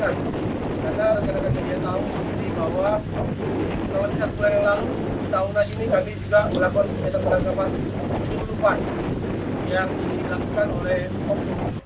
karena rekan rekan media tahu sendiri bahwa dalam riset bulan yang lalu di tahun nas ini kami juga melakukan kegiatan penangkapan ikan yang dilakukan oleh komju